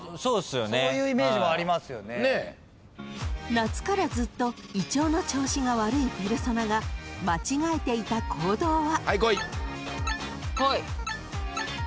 ［夏からずっと胃腸の調子が悪いペルソナが間違えていた行動は］